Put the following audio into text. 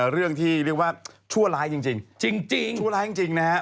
เรื่องที่เรียกว่าชั่วร้ายจริงจริงชั่วร้ายจริงนะฮะ